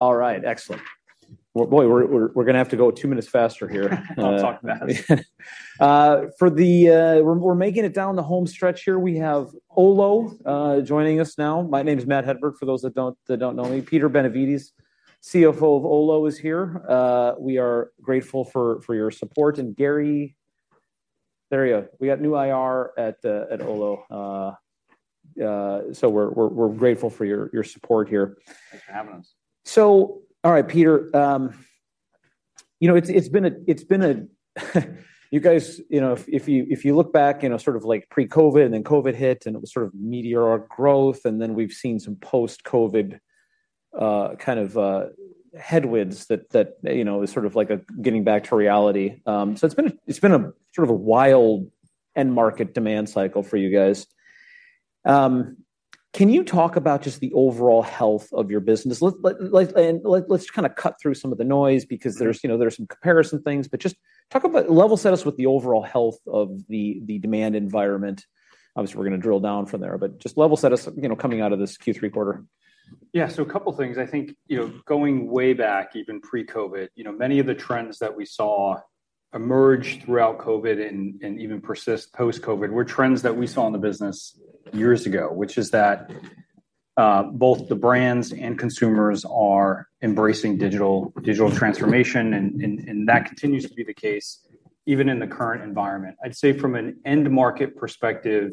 All right, excellent. Well, boy, we're gonna have to go two minutes faster here. I'll talk fast. We're making it down the home stretch here. We have Olo joining us now. My name is Matt Hedberg, for those that don't know me. Peter Benevides, CFO of Olo, is here. We are grateful for your support. And Gary, there we go. We got new IR at Olo. So we're grateful for your support here. Thanks for having us. So all right, Peter, you know, it's, it's been a, it's been a, you guys, you know, if, if you, if you look back, you know, sort of like pre-COVID, and then COVID hit, and it was sort of meteoric growth, and then we've seen some post-COVID, kind of, headwinds that, that, you know, is sort of like a getting back to reality. So it's been a, it's been a sort of a wild end market demand cycle for you guys. Can you talk about just the overall health of your business? Let's like, and let's, let's just kinda cut through some of the noise because there's, you know, there are some comparison things, but just talk about level set us with the overall health of the, the demand environment. Obviously, we're gonna drill down from there, but just level set us, you know, coming out of this Q3 quarter. Yeah, so a couple of things. I think, you know, going way back, even pre-COVID, you know, many of the trends that we saw emerge throughout COVID and even persist post-COVID were trends that we saw in the business years ago, which is that both the brands and consumers are embracing digital, digital transformation, and that continues to be the case even in the current environment. I'd say from an end market perspective,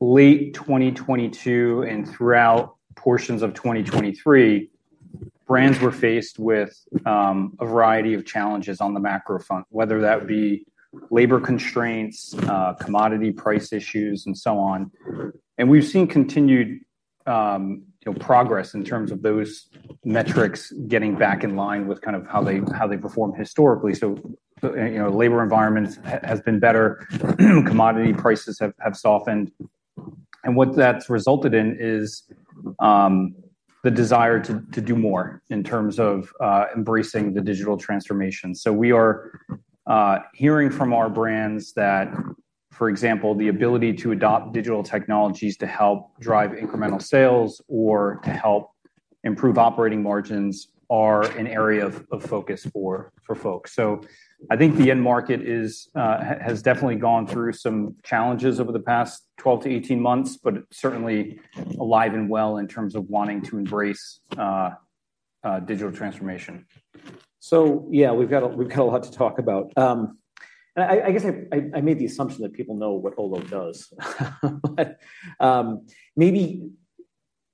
late 2022 and throughout portions of 2023, brands were faced with a variety of challenges on the macro front, whether that be labor constraints, commodity price issues, and so on. And we've seen continued, you know, progress in terms of those metrics getting back in line with kind of how they performed historically. So, you know, labor environment has been better, commodity prices have softened. And what that's resulted in is the desire to do more in terms of embracing the digital transformation. So we are hearing from our brands that, for example, the ability to adopt digital technologies to help drive incremental sales or to help improve operating margins are an area of focus for folks. So I think the end market has definitely gone through some challenges over the past 12-18 months, but certainly alive and well in terms of wanting to embrace digital transformation. So yeah, we've got a lot to talk about. And I guess I made the assumption that people know what Olo does. Maybe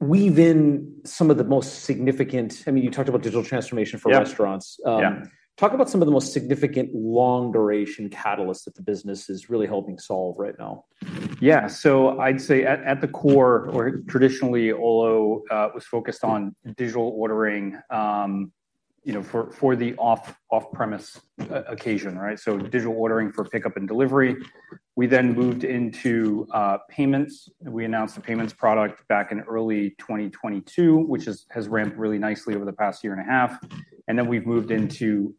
weave in some of the most significant... I mean, you talked about digital transformation for restaurants. Yeah. Yeah. Talk about some of the most significant long-duration catalysts that the business is really helping solve right now. Yeah, so I'd say at the core, or traditionally, Olo was focused on digital ordering, you know, for the off-premise occasion, right? So digital ordering for pickup and delivery. We then moved into payments. We announced the payments product back in early 2022, which has ramped really nicely over the past year and a half. And then we've moved into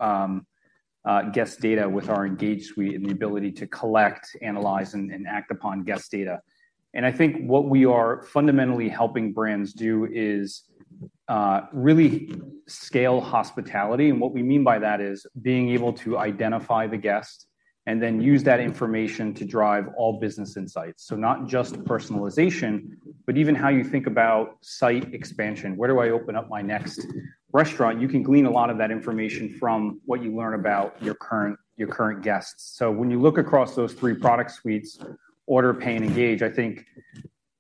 guest data with our Engage suite and the ability to collect, analyze, and act upon guest data. And I think what we are fundamentally helping brands do is really scale hospitality. And what we mean by that is being able to identify the guest and then use that information to drive all business insights. So not just personalization, but even how you think about site expansion. Where do I open up my next restaurant? You can glean a lot of that information from what you learn about your current guests. So when you look across those three product suites, Order, Pay, and Engage, I think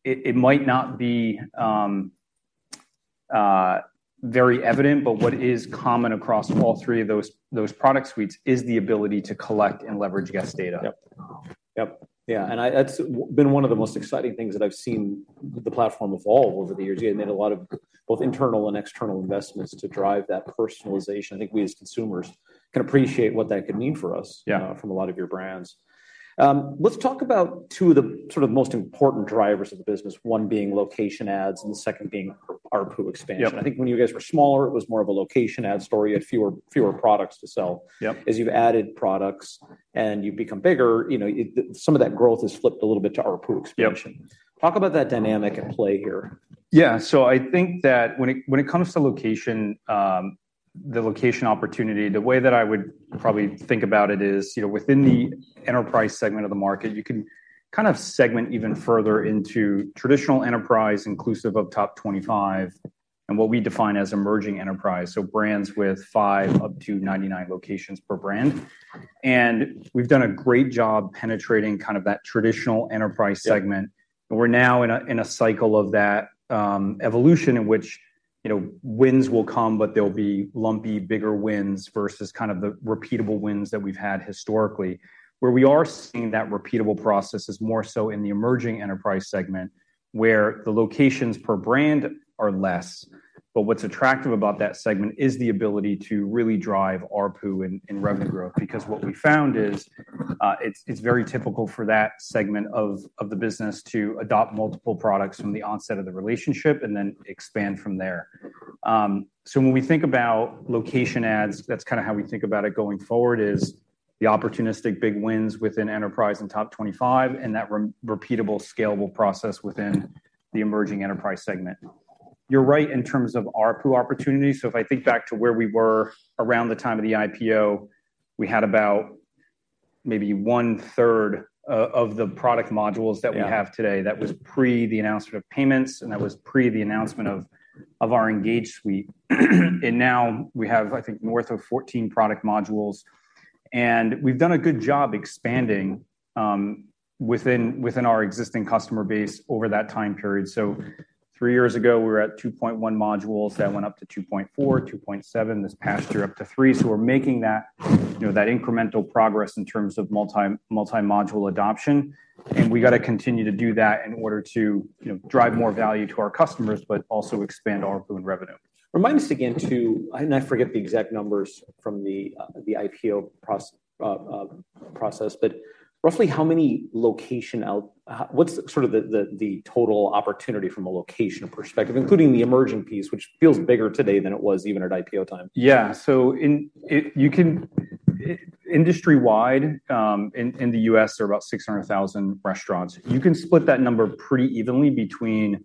it might not be very evident, but what is common across all three of those product suites is the ability to collect and leverage guest data. Yep. Yep. Yeah, and that's been one of the most exciting things that I've seen the platform evolve over the years. You have made a lot of both internal and external investments to drive that personalization. I think we, as consumers, can appreciate what that could mean for us- Yeah... from a lot of your brands. Let's talk about two of the sort of most important drivers of the business, one being location ads, and the second being ARPU expansion. Yep. I think when you guys were smaller, it was more of a location ad story. You had fewer products to sell. Yep. As you've added products and you've become bigger, you know, it, some of that growth has flipped a little bit to ARPU expansion. Yep. Talk about that dynamic at play here. Yeah. So I think that when it, when it comes to location, the location opportunity, the way that I would probably think about it is, you know, within the enterprise segment of the market, you can kind of segment even further into traditional enterprise, inclusive of top 25, and what we define as emerging enterprise, so brands with 5 up to 99 locations per brand. And we've done a great job penetrating kind of that traditional enterprise segment. Yeah. We're now in a cycle of that evolution in which, you know, wins will come, but they'll be lumpy, bigger wins, versus kind of the repeatable wins that we've had historically. Where we are seeing that repeatable process is more so in the emerging enterprise segment, where the locations per brand are less. But what's attractive about that segment is the ability to really drive ARPU and revenue growth. Because what we found is, it's very typical for that segment of the business to adopt multiple products from the onset of the relationship and then expand from there. So when we think about location adds, that's kinda how we think about it going forward, is the opportunistic big wins within enterprise and top 25, and that repeatable, scalable process within the emerging enterprise segment. You're right in terms of ARPU opportunity. So if I think back to where we were around the time of the IPO, we had about maybe one-third of the product modules- Yeah... that we have today. That was pre the announcement of payments, and that was pre the announcement of our Engage suite. And now we have, I think, north of 14 product modules, and we've done a good job expanding within our existing customer base over that time period. So three years ago, we were at 2.1 modules. That went up to 2.4, 2.7 this past year, up to 3. So we're making that, you know, that incremental progress in terms of multi-module adoption, and we got to continue to do that in order to, you know, drive more value to our customers, but also expand ARPU and revenue. Remind us again, too, and I forget the exact numbers from the IPO process, but roughly how many location out- what's sort of the total opportunity from a location perspective, including the emerging piece, which feels bigger today than it was even at IPO time? Yeah. So industry-wide, in the US, there are about 600,000 restaurants. You can split that number pretty evenly between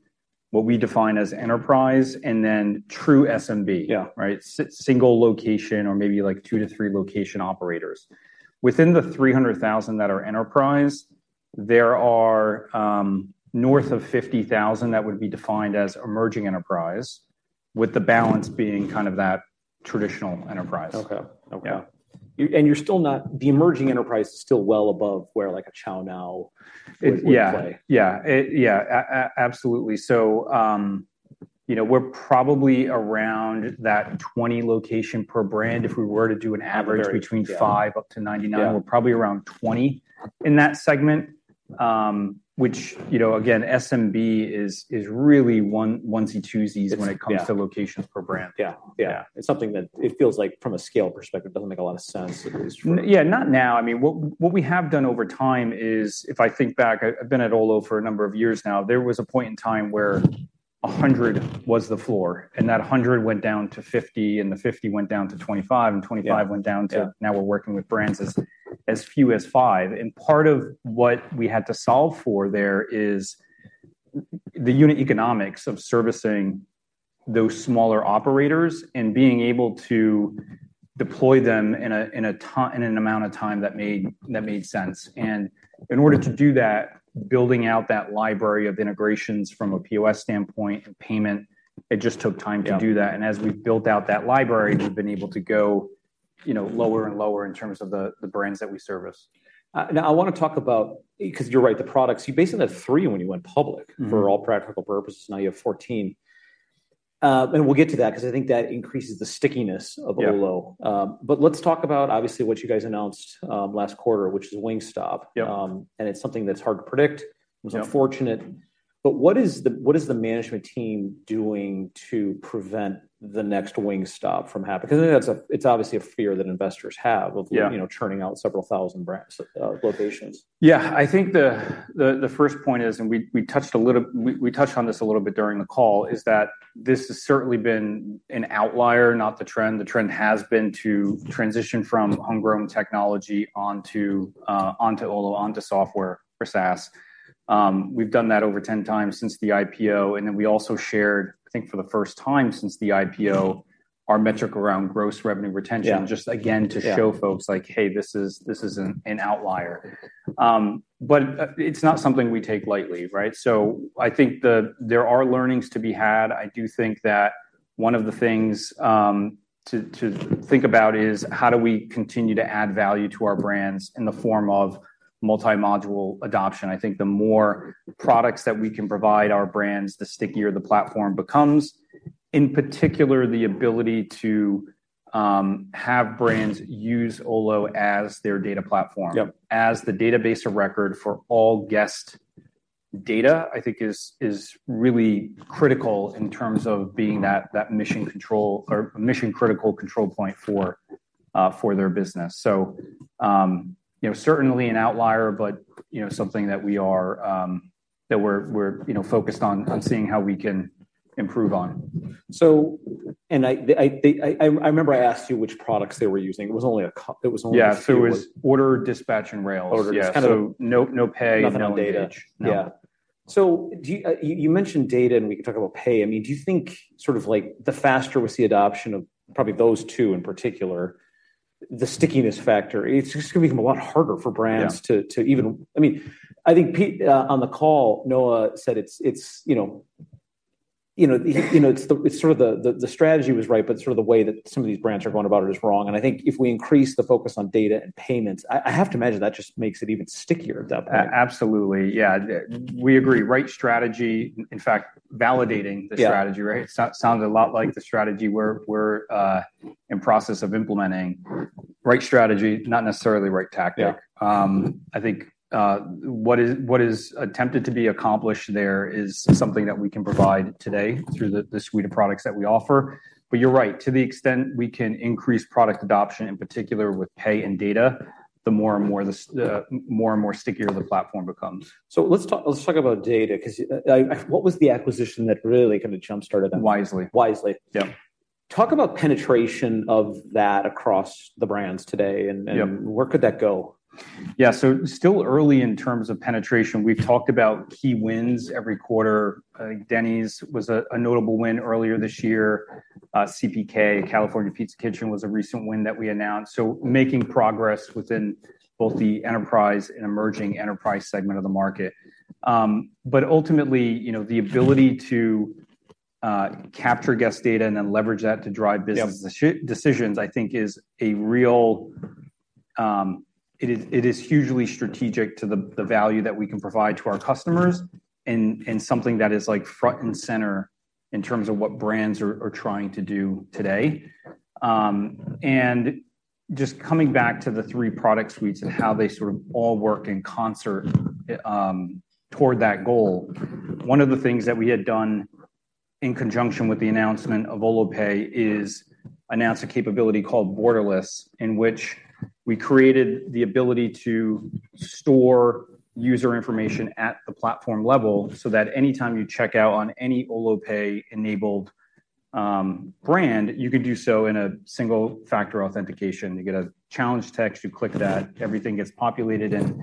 what we define as enterprise and then true SMB. Yeah. Right? Single location or maybe, like, 2-3 location operators. Within the 300,000 that are enterprise, there are north of 50,000 that would be defined as emerging enterprise, with the balance being kind of that traditional enterprise. Okay. Okay. Yeah. You're still not. The emerging enterprise is still well above where, like, a ChowNow would play. Yeah, absolutely. So, you know, we're probably around that 20 location per brand. If we were to do an average- Very, yeah... between 5 up to 99- Yeah... we're probably around 20 in that segment. Which, you know, again, SMB is really one, onesie, twosies when- It's, yeah... it comes to locations per brand. Yeah. Yeah. Yeah. It's something that it feels like from a scale perspective, it doesn't make a lot of sense. It is true. Yeah, not now. I mean, what we have done over time is, if I think back, I've been at Olo for a number of years now. There was a point in time where 100 was the floor, and that 100 went down to 50, and the 50 went down to 25, and 25- Yeah... went down to, now we're working with brands as few as five. And part of what we had to solve for there is the unit economics of servicing those smaller operators and being able to deploy them in an amount of time that made sense. And in order to do that, building out that library of integrations from a POS standpoint and payment, it just took time to do that. Yeah. As we've built out that library, we've been able to go, you know, lower and lower in terms of the brands that we service. Now, I want to talk about... Because you're right, the products, you basically had three when you went public- Mm-hmm... for all practical purposes, now you have 14. And we'll get to that because I think that increases the stickiness of Olo. Yeah. Let's talk about obviously what you guys announced last quarter, which is Wingstop. Yeah. It's something that's hard to predict. Yeah. It was unfortunate. But what is the, what is the management team doing to prevent the next Wingstop from happening? Because it's, it's obviously a fear that investors have- Yeah... of, you know, churning out several thousand brands, locations. Yeah. I think the first point is, and we touched on this a little bit during the call, is that this has certainly been an outlier, not the trend. The trend has been to transition from homegrown technology onto Olo, onto software or SaaS. We've done that over 10 times since the IPO, and then we also shared, I think, for the first time since the IPO, our metric around gross revenue retention- Yeah... just again Yeah... to show folks like, "Hey, this is, this isn't an outlier." But it's not something we take lightly, right? So I think there are learnings to be had. I do think that one of the things to think about is, how do we continue to add value to our brands in the form of multi-module adoption? I think the more products that we can provide our brands, the stickier the platform becomes. In particular, the ability to have brands use Olo as their data platform- Yep... as the database of record for all guest data, I think is really critical in terms of being that mission control or mission-critical control point for their business. So, you know, certainly an outlier, but, you know, something that we are that we're, you know, focused on, on- Mm-hmm... seeing how we can improve on. So, I remember I asked you which products they were using. It was only a cou-- it was only a few. Yeah, so it was Order, Dispatch, and Rails. Order. Yeah. Just kind of- So, no Pay, no Engage. Nothing on data. No. Yeah. So do you... You mentioned data, and we can talk about pay. I mean, do you think sort of, like, the faster we see adoption of probably those two in particular, the stickiness factor, it's just gonna become a lot harder for brands- Yeah... to even—I mean, I think on the call, Noah said it's, you know, you know, he, you know, it's the, it's sort of the strategy was right, but sort of the way that some of these brands are going about it is wrong. And I think if we increase the focus on data and payments, I have to imagine that just makes it even stickier at that point. Absolutely. Yeah, we agree. Right strategy, in fact, validating the strategy- Yeah... right? Sounds a lot like the strategy we're in process of implementing. Right strategy, not necessarily right tactic. Yeah. I think, what is attempted to be accomplished there is something that we can provide today through the suite of products that we offer. But you're right, to the extent we can increase product adoption, in particular with pay and data, the more and more stickier the platform becomes. So let's talk, let's talk about data, 'cause what was the acquisition that really kind of jumpstarted that? Wisely. Wisely. Yeah.... Talk about penetration of that across the brands today, and- Yeah. And where could that go? Yeah, so still early in terms of penetration. We've talked about key wins every quarter. Denny's was a notable win earlier this year. CPK, California Pizza Kitchen, was a recent win that we announced. So making progress within both the enterprise and emerging enterprise segment of the market. But ultimately, you know, the ability to capture guest data and then leverage that to drive business deci- Yep... decisions, I think, is a real, it is, it is hugely strategic to the, the value that we can provide to our customers, and, and something that is, like, front and center in terms of what brands are, are trying to do today. And just coming back to the three product suites and how they sort of all work in concert, toward that goal. One of the things that we had done in conjunction with the announcement of Olo Pay is announce a capability called Borderless, in which we created the ability to store user information at the platform level, so that any time you check out on any Olo Pay-enabled, brand, you can do so in a single factor authentication. You get a challenge text, you click that, everything gets populated, and,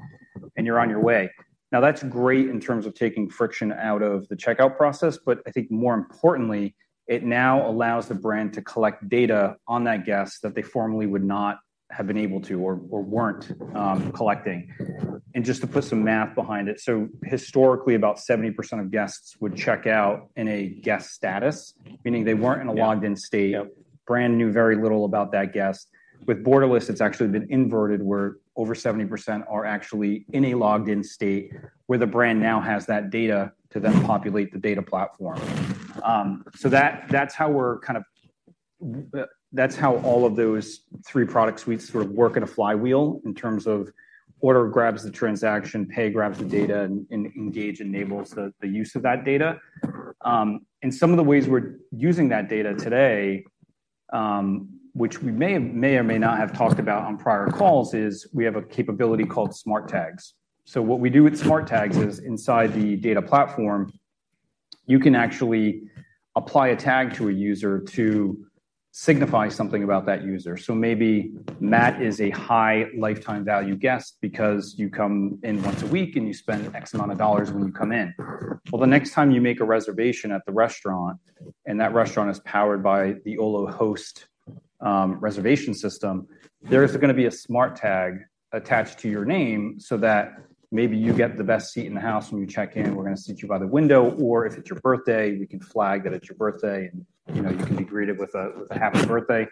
and you're on your way. Now, that's great in terms of taking friction out of the checkout process, but I think more importantly, it now allows the brand to collect data on that guest that they formerly would not have been able to or, or weren't collecting. Just to put some math behind it, so historically, about 70% of guests would check out in a guest status, meaning they weren't in a logged-in state. Yep. Brand knew very little about that guest. With Borderless, it's actually been inverted, where over 70% are actually in a logged-in state, where the brand now has that data to then populate the data platform. So that, that's how we're kind of, that's how all of those three product suites sort of work in a flywheel in terms of Order grabs the transaction, Pay grabs the data, and Engage enables the use of that data. And some of the ways we're using that data today, which we may or may not have talked about on prior calls, is we have a capability called Smart Tags. So what we do with Smart Tags is, inside the data platform, you can actually apply a tag to a user to signify something about that user. So maybe Matt is a high lifetime value guest because you come in once a week, and you spend X amount of dollars when you come in. Well, the next time you make a reservation at the restaurant, and that restaurant is powered by the Olo Host reservation system, there is gonna be a Smart Tag attached to your name so that maybe you get the best seat in the house when you check in. We're gonna seat you by the window, or if it's your birthday, we can flag that it's your birthday, and, you know, you can be greeted with a happy birthday.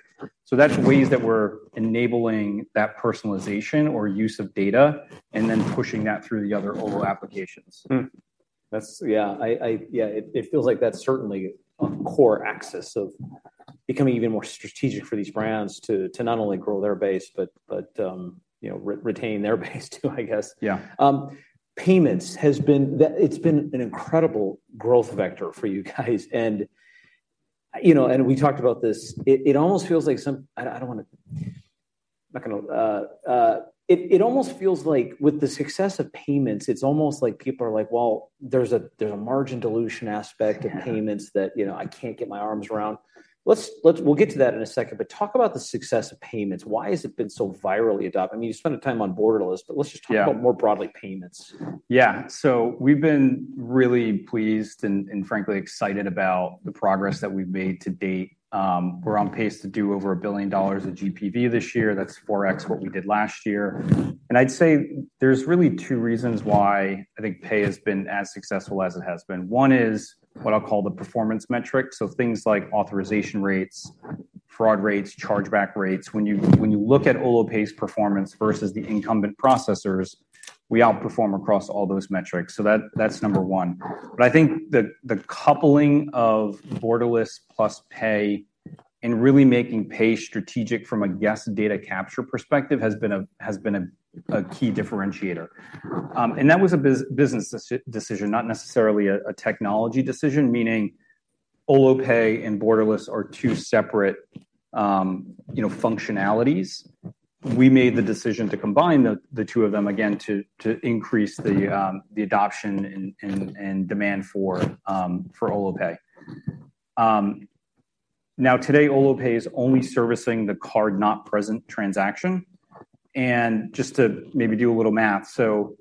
So that's ways that we're enabling that personalization or use of data, and then pushing that through the other Olo applications. Mm-hmm. That's. Yeah, I... Yeah, it feels like that's certainly a core access of becoming even more strategic for these brands to not only grow their base, but, you know, retain their base too, I guess. Yeah. Payments has been. It's been an incredible growth vector for you guys. And, you know, and we talked about this. It almost feels like with the success of payments, it's almost like people are like: Well, there's a margin dilution aspect. Yeah of payments that, you know, I can't get my arms around. Let's, let's- we'll get to that in a second, but talk about the success of payments. Why has it been so virally adopted? I mean, you spent the time on Borderless, but let's just talk- Yeah about more broadly, payments. Yeah. So we've been really pleased and, and frankly, excited about the progress that we've made to date. We're on pace to do over $1 billion of GPV this year. That's 4x what we did last year. And I'd say there's really two reasons why I think Pay has been as successful as it has been. One is what I'll call the performance metric, so things like authorization rates, fraud rates, chargeback rates. When you, when you look at Olo Pay's performance versus the incumbent processors, we outperform across all those metrics. So that, that's number one. But I think the, the coupling of Borderless plus Pay and really making Pay strategic from a guest data capture perspective has been a, has been a, a key differentiator. And that was a business decision, not necessarily a technology decision, meaning Olo Pay and Borderless are two separate, you know, functionalities. We made the decision to combine the two of them again to increase the adoption and demand for Olo Pay. Now, today, Olo Pay is only servicing the card-not-present transaction. Just to maybe do a little math, so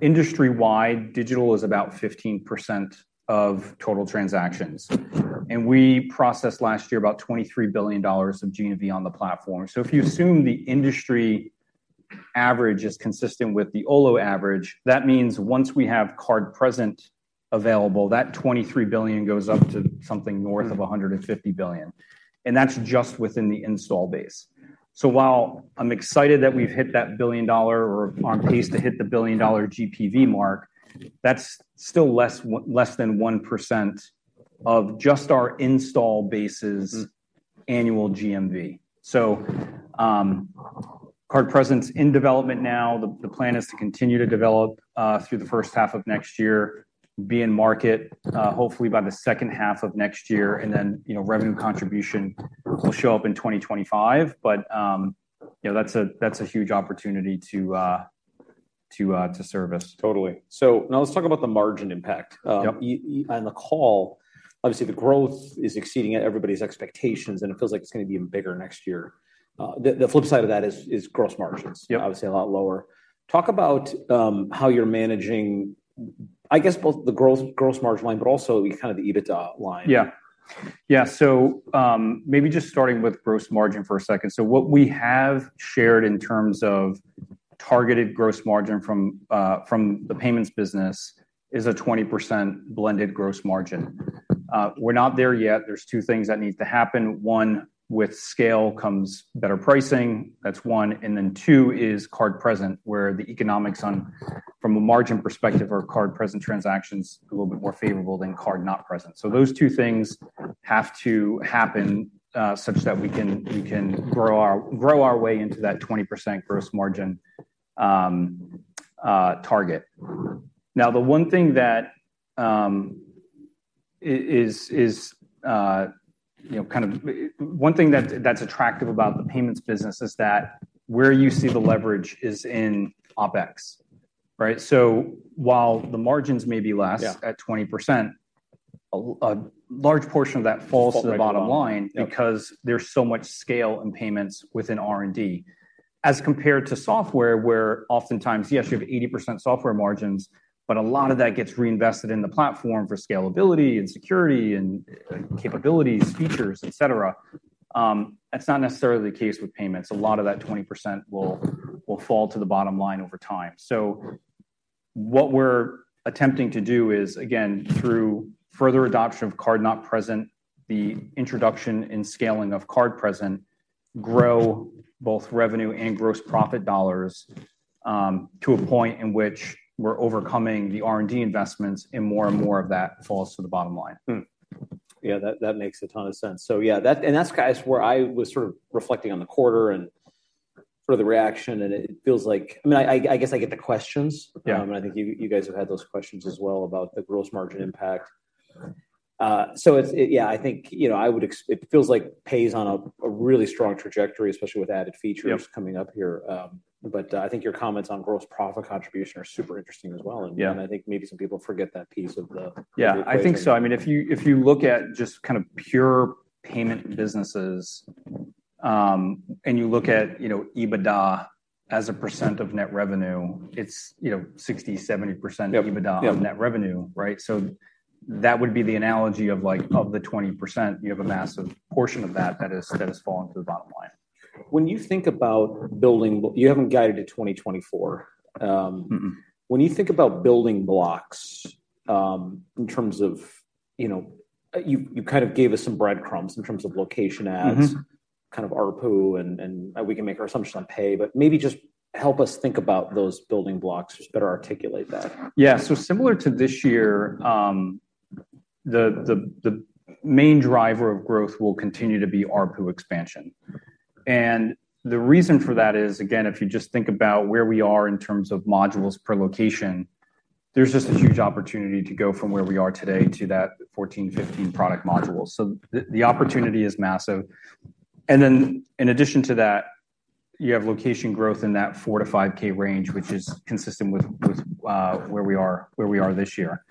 industry-wide, digital is about 15% of total transactions, and we processed last year about $23 billion of GMV on the platform. So if you assume the industry average is consistent with the Olo average, that means once we have card present available, that $23 billion goes up to something north of $150 billion, and that's just within the install base. So while I'm excited that we've hit that $1 billion or on pace to hit the $1 billion GPV mark, that's still less than 1% of just our install base's- Mm-hmm - annual GMV. So, card present's in development now. The plan is to continue to develop through the first half of next year, be in market, hopefully by the second half of next year, and then, you know, revenue contribution will show up in 2025. But, you know, that's a huge opportunity to service. Totally. So now let's talk about the margin impact. Yep. On the call, obviously, the growth is exceeding everybody's expectations, and it feels like it's gonna be even bigger next year. The flip side of that is gross margins- Yep. Obviously, a lot lower. Talk about how you're managing, I guess, both the gross margin line, but also kind of the EBITDA line. Yeah. Yeah, so maybe just starting with gross margin for a second. So what we have shared in terms of targeted gross margin from the payments business is a 20% blended gross margin. We're not there yet. There's two things that need to happen: one, with scale comes better pricing, that's one; and then, two is card present, where the economics on from a margin perspective or card-present transactions are a little bit more favorable than card not present. So those two things have to happen such that we can grow our way into that 20% gross margin target. Now, one thing that's attractive about the payments business is that where you see the leverage is in OpEx, right? While the margins may be less- Yeah... at 20%, a large portion of that falls to the bottom line. Yep... because there's so much scale in payments within R&D. As compared to software, where oftentimes, yes, you have 80% software margins, but a lot of that gets reinvested in the platform for scalability and security and capabilities, features, et cetera. That's not necessarily the case with payments. A lot of that 20% will fall to the bottom line over time. So what we're attempting to do is, again, through further adoption of card not present, the introduction and scaling of card Present, grow both revenue and gross profit dollars, to a point in which we're overcoming the R&D investments, and more and more of that falls to the bottom line. Hmm. Yeah, that makes a ton of sense. So yeah, that's, guys, where I was sort of reflecting on the quarter and for the reaction, and it feels like—I mean, I guess I get the questions. Yeah. And I think you guys have had those questions as well about the gross margin impact. So it's... Yeah, I think, you know, it feels like it pays on a really strong trajectory, especially with added features- Yep... coming up here. But I think your comments on gross profit contribution are super interesting as well. Yeah. I think maybe some people forget that piece of the- Yeah, I think so. I mean, if you, if you look at just kind of pure payment businesses, and you look at, you know, EBITDA as a percent of net revenue, it's, you know, 60%-70%. Yep, yep... EBITDA of net revenue, right? So that would be the analogy of, like, of the 20%. You have a massive portion of that, that is, that is falling to the bottom line. When you think about building. You haven't guided to 2024. Mm-hmm. When you think about building blocks, in terms of, you know, you kind of gave us some breadcrumbs in terms of location ads- Mm-hmm... kind of ARPU, and we can make our assumptions on pay, but maybe just help us think about those building blocks. Just better articulate that. Yeah. So similar to this year, the main driver of growth will continue to be ARPU expansion. And the reason for that is, again, if you just think about where we are in terms of modules per location, there's just a huge opportunity to go from where we are today to that 14, 15 product modules. So the opportunity is massive. And then, in addition to that, you have location growth in that 4-5K range, which is consistent with where we are this year.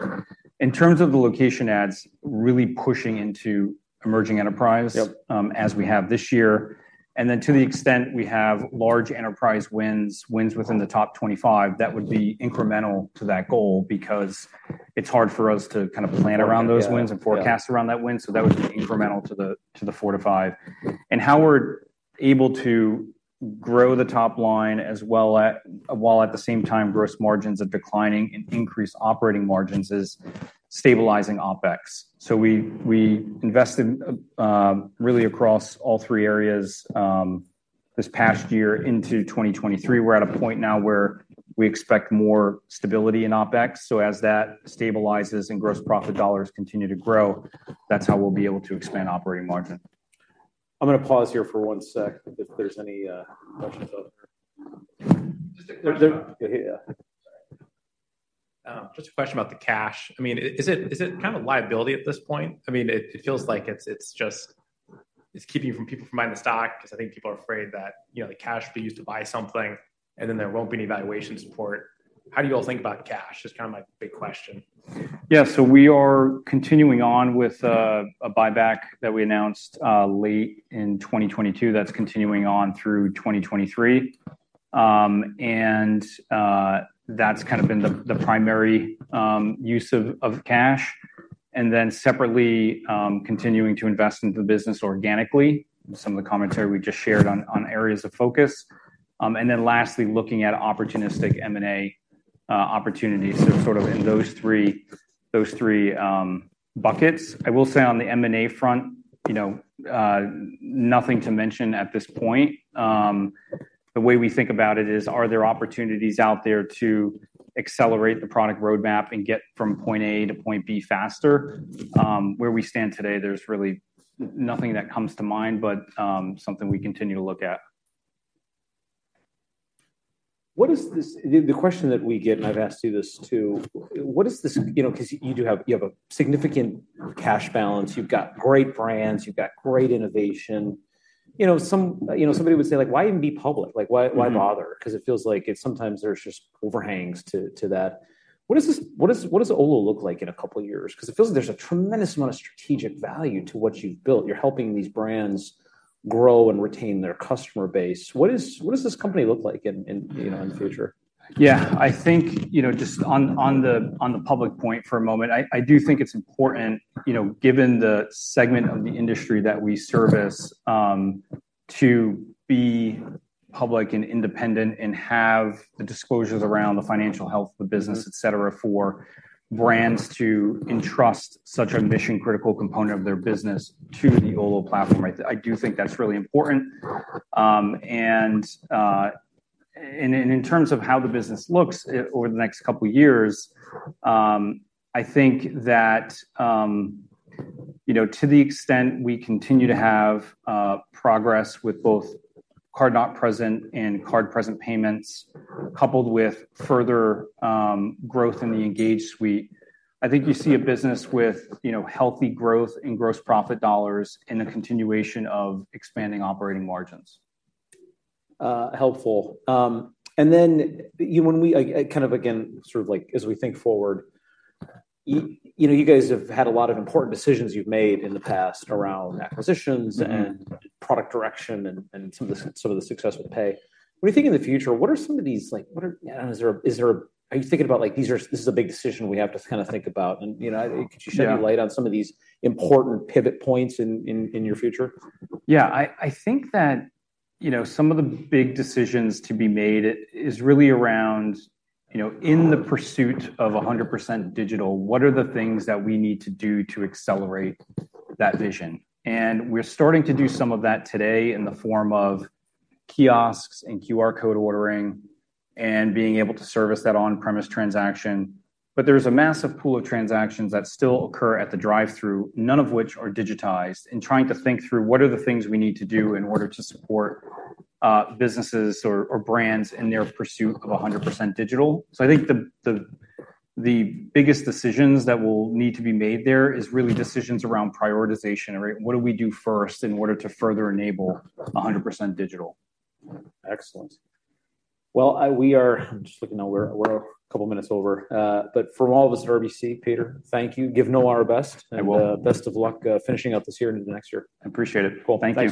In terms of the location adds, really pushing into emerging enterprise- Yep... as we have this year. And then, to the extent we have large enterprise wins, wins within the top 25, that would be incremental to that goal because it's hard for us to kind of plan around those wins- Yeah... and forecast around that win, so that would be incremental to the 4-5. And how we're able to grow the top line as well while at the same time gross margins are declining and increase operating margins is stabilizing OpEx. So we invested really across all three areas this past year into 2023. We're at a point now where we expect more stability in OpEx, so as that stabilizes and gross profit dollars continue to grow, that's how we'll be able to expand operating margin. I'm gonna pause here for one sec, if there's any questions out there. Just a question about- Yeah. Just a question about the cash. I mean, is it, is it kind of a liability at this point? I mean, it, it feels like it's, it's just, it's keeping you from people from buying the stock, because I think people are afraid that, you know, the cash will be used to buy something, and then there won't be any valuation support. How do you all think about cash? Just kind of my big question. Yeah, so we are continuing on with a buyback that we announced late in 2022, that's continuing on through 2023. And that's kind of been the primary use of cash, and then separately, continuing to invest in the business organically, some of the commentary we just shared on areas of focus. And then lastly, looking at opportunistic M&A opportunities. So sort of in those three, those three, buckets. I will say on the M&A front, you know, nothing to mention at this point. The way we think about it is, are there opportunities out there to accelerate the product roadmap and get from point A to point B faster? Where we stand today, there's really nothing that comes to mind, but, something we continue to look at. What is this... The question that we get, and I've asked you this, too, what is this... You know, 'cause you do have, you have a significant cash balance, you've got great brands, you've got great innovation... You know, some, you know, somebody would say, like, "Why even be public? Like, why, why bother? Mm-hmm. 'Cause it feels like it's sometimes there's just overhangs to that. What does Olo look like in a couple of years? 'Cause it feels like there's a tremendous amount of strategic value to what you've built. You're helping these brands grow and retain their customer base. What does this company look like in, you know, in the future? Yeah, I think, you know, just on the public point for a moment, I do think it's important, you know, given the segment of the industry that we service, to be public and independent and have the disclosures around the financial health of the business, et cetera, for brands to entrust such a mission-critical component of their business to the Olo platform. I do think that's really important. In terms of how the business looks over the next couple of years, I think that, you know, to the extent we continue to have progress with both card-not-present and card-present payments, coupled with further growth in the Engage suite, I think you see a business with, you know, healthy growth and gross profit dollars and a continuation of expanding operating margins. Helpful. And then, you know, when we... I kind of, again, sort of like, as we think forward, you know, you guys have had a lot of important decisions you've made in the past around acquisitions- Mm-hmm. and product direction and, and some of the, some of the success with pay. When you think in the future, what are some of these, like, what are... is there, is there- are you thinking about, like, these are, this is a big decision we have to kind of think about? And, you know, Yeah. Could you shed any light on some of these important pivot points in your future? Yeah. I think that, you know, some of the big decisions to be made is really around, you know, in the pursuit of 100% digital, what are the things that we need to do to accelerate that vision? And we're starting to do some of that today in the form of kiosks and QR code ordering, and being able to service that on-premise transaction. But there's a massive pool of transactions that still occur at the drive-thru, none of which are digitized, and trying to think through what are the things we need to do in order to support businesses or brands in their pursuit of 100% digital. So I think the biggest decisions that will need to be made there is really decisions around prioritization, right? What do we do first in order to further enable 100% digital? Excellent. Well, we are... I'm just looking now, we're a couple of minutes over. But from all of us at RBC, Peter, thank you. Give Noah our best. I will. Best of luck finishing out this year and into next year. I appreciate it. Cool. Thank you.